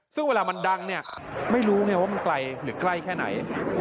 ซึ่งเวลามันดังเนี่ยไม่รู้ไงว่ามันไกลหรือใกล้แค่ไหน